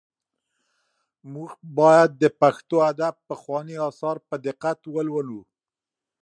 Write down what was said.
موږ باید د پښتو ادب پخواني اثار په دقت ولولو.